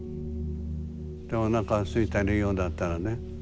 おなかすいてるようだったらね